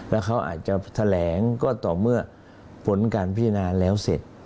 แล้วเขาอาจจะแถลงก็ต่อเมื่อผลการพิจารณาแล้วเสร็จ